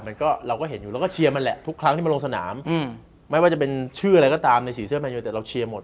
นักเตะแบบนี้เหมาะกับทีมที่สร้างที่ใหม่